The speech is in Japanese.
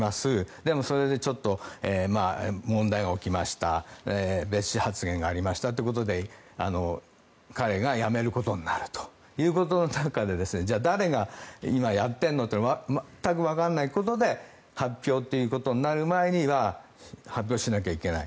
でもそれで、ちょっと問題が起きました蔑視発言がありましたということで彼が辞めることになるということの中でじゃあ誰が今、やってるのって全くわからないことで発表ということになる前には発表しなければいけない。